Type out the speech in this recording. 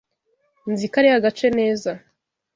Nzi kariya gace neza.